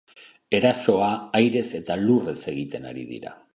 Erasoa airez eta lurrez egiten ari dira.